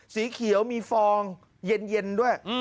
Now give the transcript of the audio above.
สีเขียวมีฟองเย็นด้วย